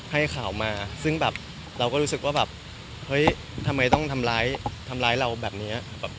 ให้ข่าวมาซึ่งแบบเราก็รู้สึกว่าแบบเฮ้ยทำไมต้องทำร้ายทำร้ายเราแบบนี้